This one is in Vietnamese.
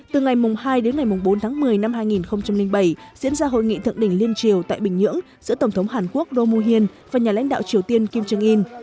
từ ngày hai đến ngày bốn tháng một mươi năm hai nghìn bảy diễn ra hội nghị thượng đỉnh liên triều tại bình nhưỡng giữa tổng thống hàn quốc romuhin và nhà lãnh đạo triều tiên kim jong un